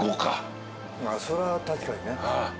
それは確かにね。